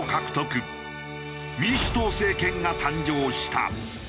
民主党政権が誕生した。